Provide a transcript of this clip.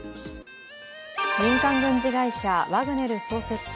民間軍人会社ワグネル創設者